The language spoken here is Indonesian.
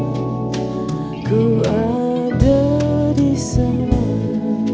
aku yang bisa ku lupakan